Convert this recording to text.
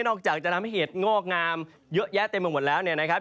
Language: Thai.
ออกจากจะทำให้เหตุงอกงามเยอะแยะเต็มไปหมดแล้วเนี่ยนะครับ